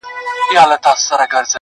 چاته ولیکم بیتونه پر چا وکړمه عرضونه!